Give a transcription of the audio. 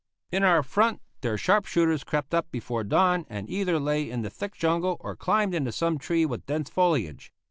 In our front their sharp shooters crept up before dawn and either lay in the thick jungle or climbed into some tree with dense foliage.